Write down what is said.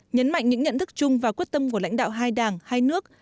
nhấn mạnh những nhận thức chung và quyết tâm của lãnh đạo hai đảng hai nước